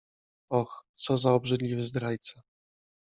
Och, co za obrzydliwy zdrajca!